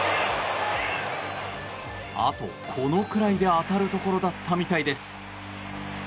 あと、このくらいで当たるところだったみたいです。